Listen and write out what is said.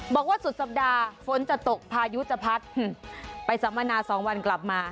บอกว่าสุดสัปดาห์ฝนจะตกพายุจะพัดไปสัมมนา๒วันกลับมา